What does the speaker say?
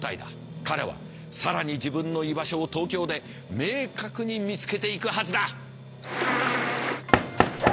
彼は更に自分の居場所を東京で明確に見つけていくはずだ！